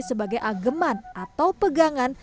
sebagai ageman atau pegangan